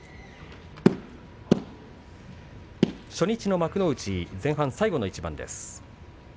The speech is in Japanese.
初日の幕内前半、最後の一番です。